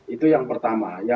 itu yang pertama